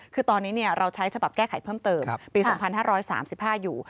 คือตอนนี้เราใช้ฉบับแก้ไขเพิ่มเติมปี๒๕๓๕อยู่